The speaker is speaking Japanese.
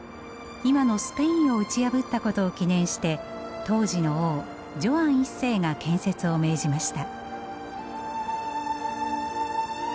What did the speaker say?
今のスペインを打ち破ったことを記念して当時の王ジョアン一世が建設を命じました。